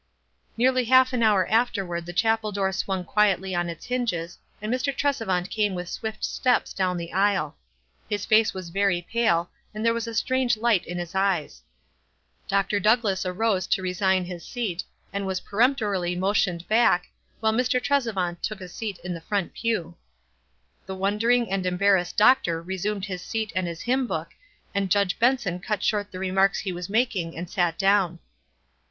Nearly half an hour afterward the chapel door swung quietly on its hinges, and Mr. Tresevant came with swift steps down the aisle ; his face was very pale, and there was a strange light in his eyes. Dr. Douglass arose to resign his seat, and was peremptorily motioned back, while Mr. Tresevant took a seat in the front pew. The wondering and embarrassed doctor resumed his seat and his hymn book, and Judge Benson cut short the remarks he was making and sat down.